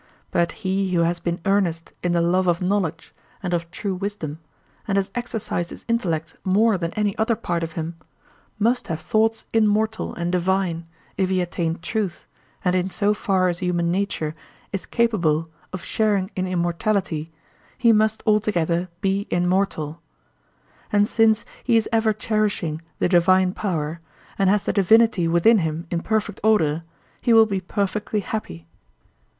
But he who has been earnest in the love of knowledge and of true wisdom, and has exercised his intellect more than any other part of him, must have thoughts immortal and divine, if he attain truth, and in so far as human nature is capable of sharing in immortality, he must altogether be immortal; and since he is ever cherishing the divine power, and has the divinity within him in perfect order, he will be perfectly happy.